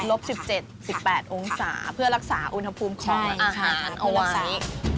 อาหารเอาไว้นะครับคุณอาศัยค่ะคุณอาศัย